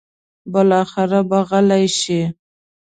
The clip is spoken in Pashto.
بالاخره به غلې شي.